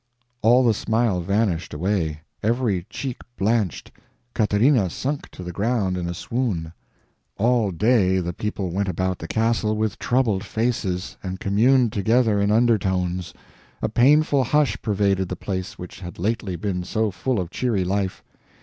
All the smile vanished away, every cheek blanched, Catharina sunk to the ground in a swoon. All day the people went about the castle with troubled faces, and communed together in undertones. A painful hush pervaded the place which had lately been so full of cheery life.